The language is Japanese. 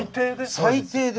最低で？